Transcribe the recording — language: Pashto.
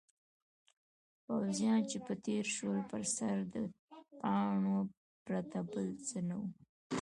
پوځیان چې به تېر شول پر سړک د پاڼو پرته بل څه نه وو.